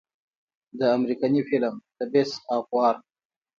د امريکني فلم The Beast of War